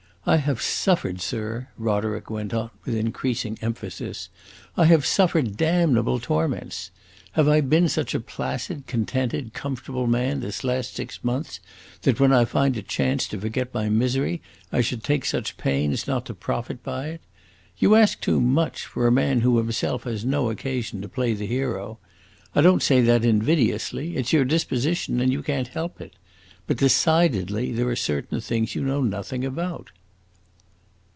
I have suffered, sir!" Roderick went on with increasing emphasis. "I have suffered damnable torments. Have I been such a placid, contented, comfortable man this last six months, that when I find a chance to forget my misery, I should take such pains not to profit by it? You ask too much, for a man who himself has no occasion to play the hero. I don't say that invidiously; it 's your disposition, and you can't help it. But decidedly, there are certain things you know nothing about."